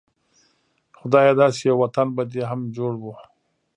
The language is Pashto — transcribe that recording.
خدايه داسې يو وطن به دې هم جوړ و